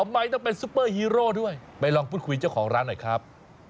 ทำไมต้องเป็นซุปเปอร์ฮีโร่ด้วยไปลองพูดคุยเจ้าของร้านหน่อยครับ